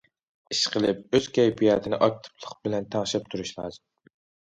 ئىشقىلىپ، ئۆز كەيپىياتىنى ئاكتىپلىق بىلەن تەڭشەپ تۇرۇش لازىم.